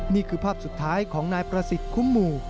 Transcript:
นี่คือภาพสุดท้ายของนายประสิทธิ์คุ้มหมู่